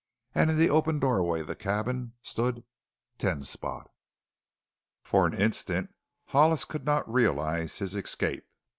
And in the open doorway of the cabin stood Ten Spot. For an instant Hollis could not realize his escape.